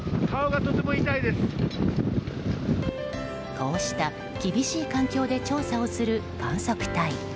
こうした厳しい環境で調査をする観測隊。